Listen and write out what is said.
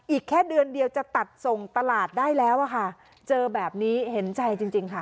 อีกแค่เดือนเดียวจะตัดส่งตลาดได้แล้วอะค่ะเจอแบบนี้เห็นใจจริงจริงค่ะ